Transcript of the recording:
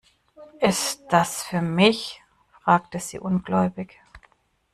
"Ist das für mich?", fragte sie ungläubig.